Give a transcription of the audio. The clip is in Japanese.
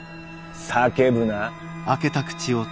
叫ぶな。